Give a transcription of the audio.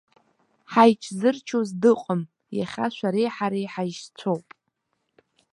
Ҳаичзырчоз дыҟам, иахьа шәареи ҳареи ҳаишьцәоуп.